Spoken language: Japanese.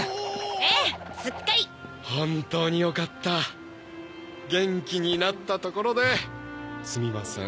ええすっかり本当によかった元気になったところですみません